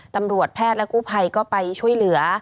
ตำรวจแพทย์และกู้ภัยก็ไปช่วยเหลือ